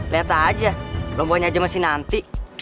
liat aja lombanya aja masih nanti